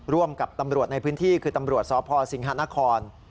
ร่วมกับตำรวจในพื้นที่คือตำรวจสพสิงหานคร